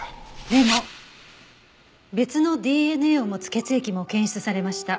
でも別のＤＮＡを持つ血液も検出されました。